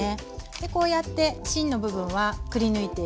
こうやって芯の部分はくり抜いています。